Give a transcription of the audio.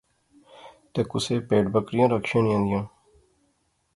تے کُسے پہید بکریاں رکھیاں نیاں زیاں